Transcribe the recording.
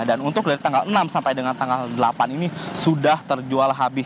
dan untuk dari tanggal enam sampai dengan tanggal delapan ini sudah terjual habis